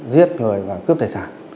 giết người và cướp tài sản